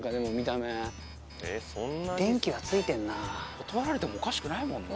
断られてもおかしくないもんな。